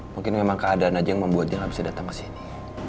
mungkin memang keadaan aja yang membuat dia gak bisa datang kesini